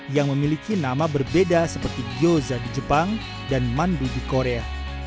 yang memiliki nama berbeda seperti gyoza di jepang dan mandu di korea